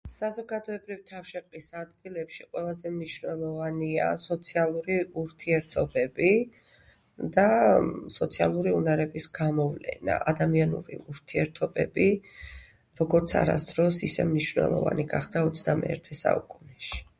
საზოგადოებრივ თავშეყრის ადგილებში ყველაზე მნიშვნელოვანია სოციალური ურთიერთობები და სოციალური უნარების გამოვლენა, ადამინური ურთიერთობები, როგორც არასდროს ისე მნიშვნელოვანი გახდა 21-ე საუკუნეში.